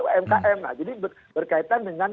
umkm nah jadi berkaitan dengan